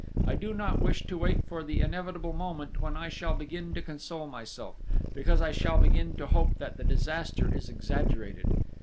I do not wish to wait for the inevitable moment when I shall begin to console myself, because I shall begin to hope that the disaster is exaggerated.